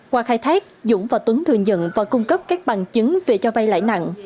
qua khai thác dũng và tuấn thừa nhận và cung cấp các bằng chứng về cho vay lãi nặng